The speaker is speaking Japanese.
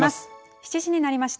７時になりました。